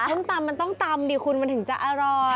ส้มตำมันต้องตำดิคุณมันถึงจะอร่อย